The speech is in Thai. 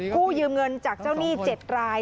กู้ยืมเงินจากเจ้าหนี้๗ราย